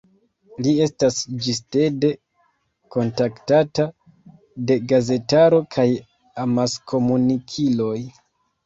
Li estas ĝistede kontaktata de gazetaro kaj amaskomunikiloj.